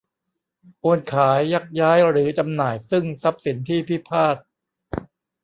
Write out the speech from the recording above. โอนขาย ยักย้ายหรือจำหน่าย ซึ่งทรัพย์สินที่พิพาท